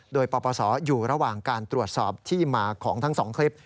โดยปราบาสาวอยู่ระหว่างการตรวจสอบที่หมาของทั้งสองคลิป